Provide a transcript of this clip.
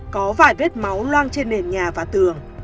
có vài vết máu loang trên nền nhà và tường